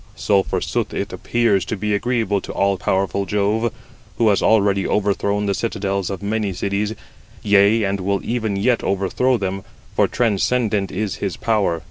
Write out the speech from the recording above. So forsooth it appears to be agreeable to all powerful Jove, who has already overthrown the citadels of many cities, yea, and will even yet overthrow them, for transcendent is his power.